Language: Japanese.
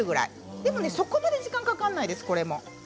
でも、そこまで時間がかからないです。